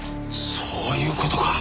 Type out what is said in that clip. そういう事か。